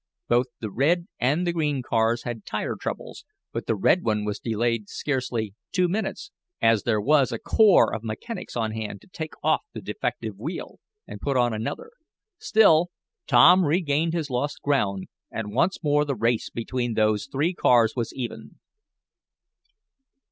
Both the red and the green cars had tire troubles, but the red one was delayed scarcely two minutes as there was a corps of mechanics on hand to take off the defective wheel and put on another. Still Tom regained his lost ground, and once more the race between those three cars was even.